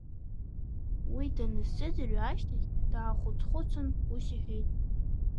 Уи данысзыӡырҩы ашьҭахь, даахәыц-хәыцын, ус иҳәеит…